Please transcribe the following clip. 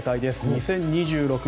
２０２６年